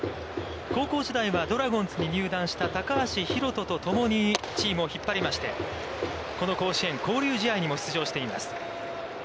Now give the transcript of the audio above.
高校時代は、ドラゴンズに入団した高橋宏斗とともにチームを引っ張りまして、この甲子園、交流試合にも出場しています。